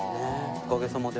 おかげさまで。